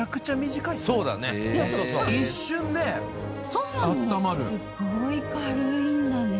すごい軽いんだね。